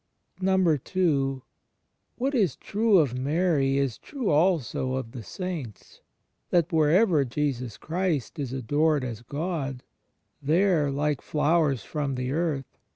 ..• n. What is true of Mary is true also of the saints — that wherever Jesus Christ is adored as Gk)d, there, like flowers from the earth.